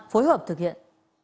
phối hợp thực hiện